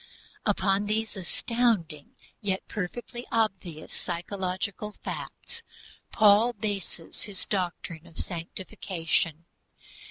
Upon these astounding yet perfectly obvious psychological facts, Paul bases his doctrine of sanctification.